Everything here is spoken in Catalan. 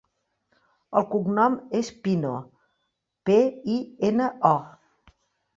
El cognom és Pino: pe, i, ena, o.